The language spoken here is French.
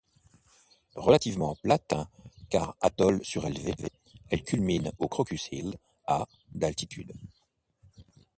Relativement plate car atoll surélevé, elle culmine au Crocus Hill à d'altitude.